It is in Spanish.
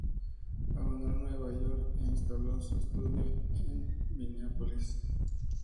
Abandonó Nueva York e instaló su estudio en Mineápolis.